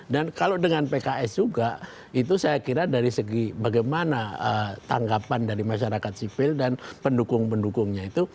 dan kalau dengan pks juga itu saya kira dari segi bagaimana tanggapan dari masyarakat sipil dan pendukung pendukungnya itu